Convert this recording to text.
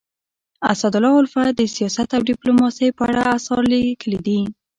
اسدالله الفت د سیاست او ډيپلوماسی په اړه اثار لیکلي دي.